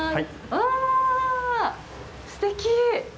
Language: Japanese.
あー、すてき。